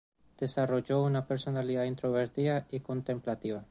Desarrolló una personalidad introvertida y contemplativa.